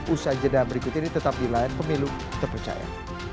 usaha jeda berikut ini tetap dilahirkan pemilu terpercaya